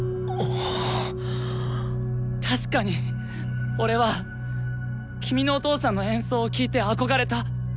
確かに俺は君のお父さんの演奏を聴いて憧れた。